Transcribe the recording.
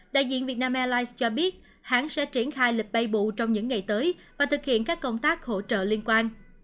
đại diện việt nam airlines cho biết hãng sẽ triển khai lịch bay bụ trong những ngày tới và thực hiện các công tác hỗ trợ liên quan